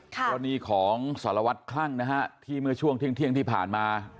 เวลานี้ของสารวัตน์ครั่งนะฮะที่เมื่อช่วงเที่ยงเที่ยงที่ผ่านมา